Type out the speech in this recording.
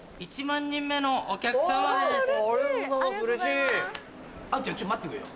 １万人目のお客様です。